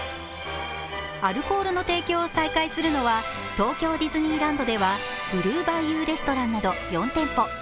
アルコールの提供を再開するのは東京ディズニーランドではブルーバイユー・レストランなど４店舗。